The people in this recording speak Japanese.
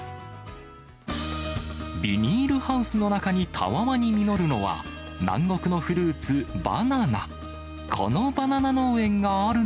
ビニールハウスの中にたわわに実るのは、南国のフルーツ、バナナ。